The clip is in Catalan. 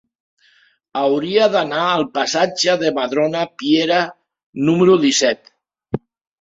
Hauria d'anar al passatge de Madrona Piera número disset.